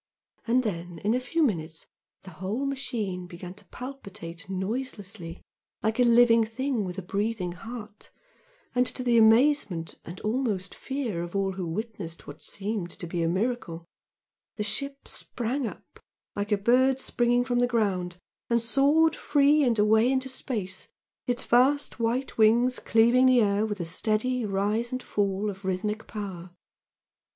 And then in a few minutes the whole machine began to palpitate noiselessly like a living thing with a beating heart, and to the amazement and almost fear of all who witnessed what seemed to be a miracle, the ship sprang up like a bird springing from the ground, and soared free and away into space, its vast white wings cleaving the air with a steady rise and fall of rhythmic power.